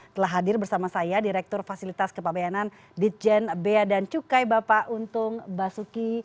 telah hadir bersama saya direktur fasilitas kepabayanan ditjen bea dan cukai bapak untung basuki